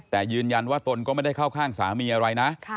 แต่ยืนยันว่าตนก็ไม่ได้เข้าข้างสามีอะไรนะ